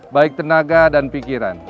baik tenaga dan pikiran